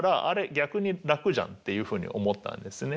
逆に楽じゃん」っていうふうに思ったんですね。